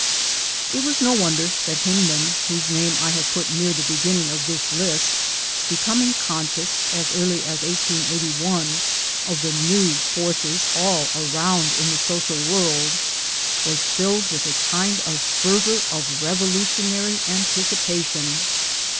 It was no wonder that Hyndman whose name I have put near the beginning of this list becoming conscious as early as 1881 of the new forces all around in the socikl world was filled with a kind of fervour of revolutionary anticipation.